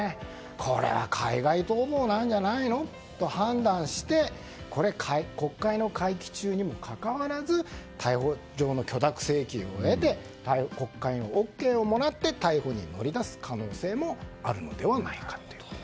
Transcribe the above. これは海外逃亡なんじゃないのと判断して国会の会期中にもかかわらず逮捕状の許諾請求を得て国会にＯＫをもらって逮捕に乗り出す可能性もあるのではないかと。